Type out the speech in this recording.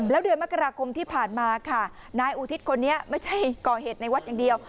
แล้วเดือนมกราคมที่ผ่านมาค่ะนายอุทิศคนนี้ไม่ใช่ก่อเหตุในวัดอย่างเดียว